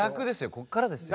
ここからですよ。